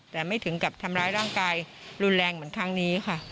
แต่ไม่ถึงกับทำร้ายร่างกายรุนแรงเหมือนครั้งนี้ค่ะ